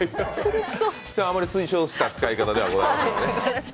あまり推奨した使い方ではございませんね。